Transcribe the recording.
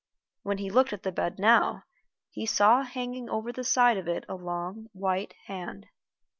When he looked at the bed now, he saw hanging over the side of it a long white hand.